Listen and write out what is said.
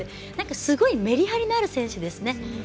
すごいメリハリのある選手ですね。